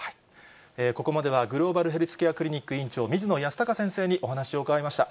ここまでは、グローバルヘルスケアクリニック院長、水野泰孝先生にお話を伺いました。